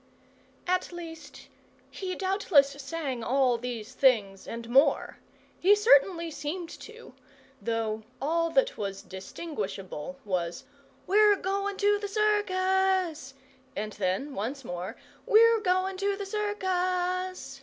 At least, he doubtless sang all these things and more he certainly seemed to; though all that was distinguishable was, "We're goin' to the circus!" and then, once more, "We're goin' to the circus!"